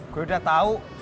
gue udah tahu